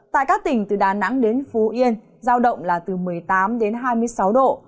tại các tỉnh từ đà nẵng đến phú yên giao động là từ một mươi tám đến hai mươi sáu độ